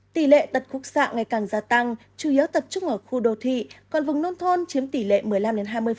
tỷ lệ tật khúc xạ ngày càng gia tăng chủ yếu tập trung ở khu đô thị còn vùng nông thôn chiếm tỷ lệ một mươi năm hai mươi